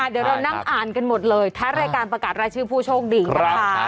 เดี๋ยวเรานั่งอ่านกันหมดเลยท้ายรายการประกาศรายชื่อผู้โชคดีนะคะ